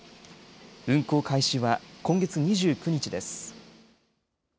運行開始は今月２９日です。